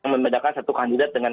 membedakan satu kandidat dengan